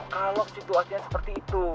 kalau situasinya seperti itu